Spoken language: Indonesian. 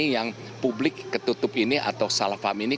ini yang publik ketutup ini atau salah paham ini